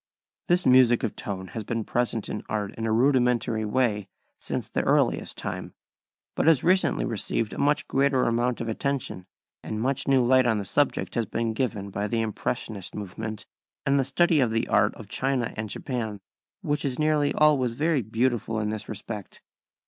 This music of tone has been present in art in a rudimentary way since the earliest time, but has recently received a much greater amount of attention, and much new light on the subject has been given by the impressionist movement and the study of the art of China and Japan, which is nearly always very beautiful in this respect.